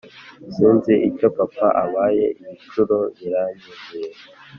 sinzi icyo papa abaye ibicuro biranyuzuye."